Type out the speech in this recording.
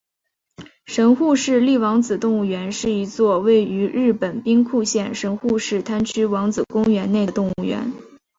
神户市立王子动物园是一座位于日本兵库县神户市滩区王子公园内的动物园。